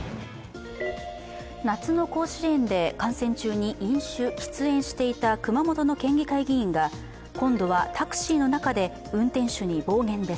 夏の甲子園で観戦中に飲酒・喫煙していた熊本の県議会議員が今度はタクシーの中で運転手に暴言です。